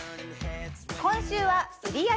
今週は売り上げ